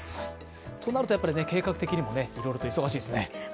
となると、計画的にもいろいろと忙しいですね。